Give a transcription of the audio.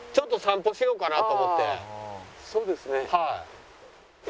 ああそうですね。